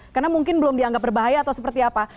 karena mungkin belum dianggap berbahaya atau seperti apa